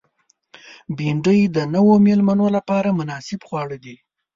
بېنډۍ د نوو مېلمنو لپاره مناسب خواړه دي